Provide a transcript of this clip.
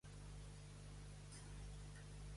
A quin altre personatge fa referència el nom d'Acteó?